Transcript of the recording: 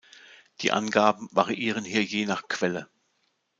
Die Angaben variieren hier je nach Quelle.